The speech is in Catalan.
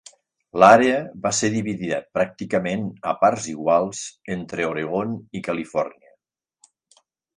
L'àrea va ser dividida pràcticament a parts iguals entre Oregon i Califòrnia.